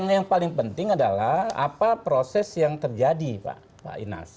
yang paling penting adalah apa proses yang terjadi pak inas